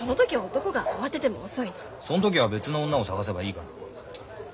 そん時は別の女を探せばいいから。